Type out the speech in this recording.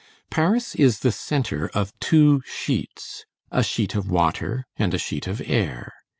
Paris is the centre of two sheets, a sheet of water and a sheet of air.